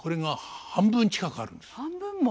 半分も。